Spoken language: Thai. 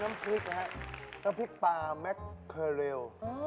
น้ำพริกปลาแม็กคอแลล